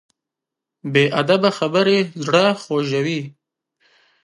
بې ادبه خبرې زړه خوږوي.